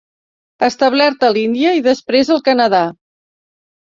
Establerta a l'Índia i després al Canadà.